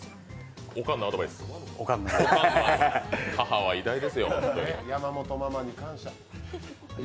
おかんのアドバイス、母は偉大ですよ。